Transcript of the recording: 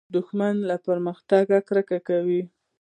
دښمن له پرمختګه کرکه کوي